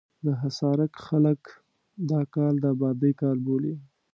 د حصارک خلک دا کال د ابادۍ کال بولي.